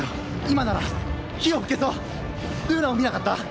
今なら火を噴けそうルーナを見なかった？